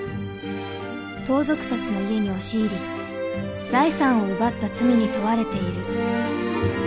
盗賊たちの家に押し入り財産を奪った罪に問われている。